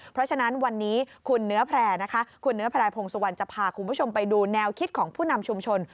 เพราะฉะนั้นวันนี้คุณเนื้อแพร่นะคะคุณเนื้อแพร่พงสุวรรณจะพาคุณผู้ชมไปดูแนวคิดของผู้นำชุมชน